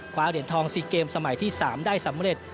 เหรียญทอง๔เกมสมัยที่๓ได้สำเร็จ